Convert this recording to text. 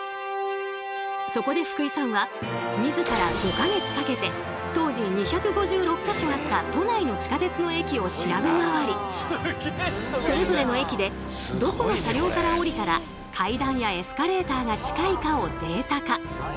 そこで福井さんは自ら５か月かけて当時２５６か所あった都内の地下鉄の駅を調べ回りそれぞれの駅でどこの車両から降りたら階段やエスカレーターが近いかをデータ化。